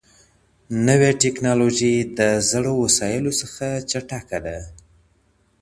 نوې ټکنالوژي د زړو وسايلو څخه چټکه ده.